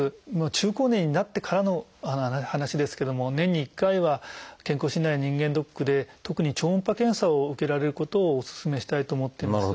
中高年になってからの話ですけども年に１回は健康診断や人間ドックで特に超音波検査を受けられることをお勧めしたいと思っています。